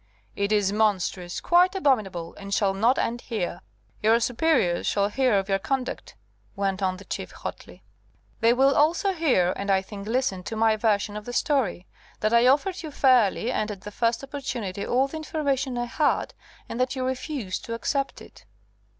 "It is monstrous quite abominable, and shall not end here. Your superiors shall hear of your conduct," went on the Chief, hotly. "They will also hear, and, I think, listen to my version of the story, that I offered you fairly, and at the first opportunity, all the information I had, and that you refused to accept it."